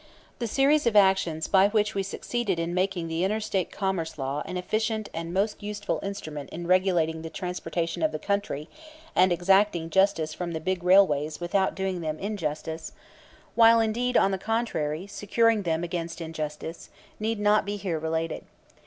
The series of actions by which we succeeded in making the Inter State Commerce Law an efficient and most useful instrument in regulating the transportation of the country and exacting justice from the big railways without doing them injustice while, indeed, on the contrary, securing them against injustice need not here be related.